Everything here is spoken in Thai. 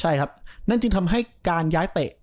ใช่ครับนั่นจึงทำให้การย้ายเตะ